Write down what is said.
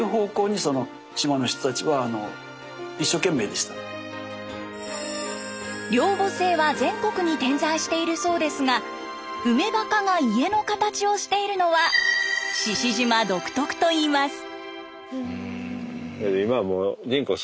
木のしつらえっていうか両墓制は全国に点在しているそうですが埋め墓が家の形をしているのは志々島独特といいます。